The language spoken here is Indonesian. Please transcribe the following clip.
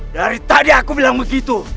dari tadi aku bilang begitu